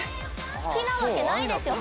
好きなわけないでしょ。